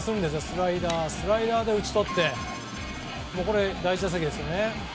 スライダー、スライダーで打ち取って第１打席ですね。